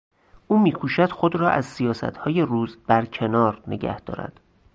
او میکوشد خود را از سیاستهای روز برکنار نگه دارد.